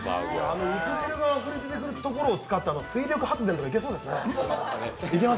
あの肉汁があふれるところを使った水力発電とかいけそうですよね。